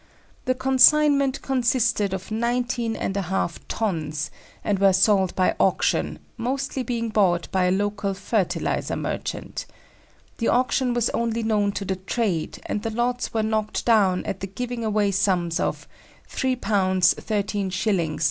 The consignment consisted of 19½ tons, and were sold by auction, mostly being bought by a local "fertiliser" merchant. The auction was only known to the trade, and the lots were "knocked down" at the "giving away" sums of £3 13_s._ 9_d.